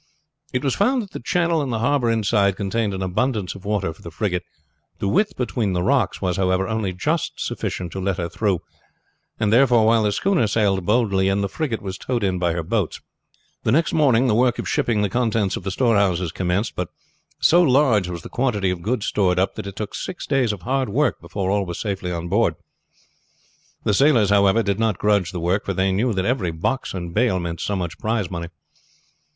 It was found that the channel and the harbor inside contained an abundance of water for the frigate. The width between the rocks was, however, only just sufficient to let her through; and, therefore, while the schooner sailed boldly in, the frigate was towed in by her boats. The next morning the work of shipping the contents of the storehouses commenced, but so large was the quantity of goods stored up that it took six days of hard work before all was safely on board. The sailors, however, did not grudge the trouble, for they knew that every box and bale meant so much prize money.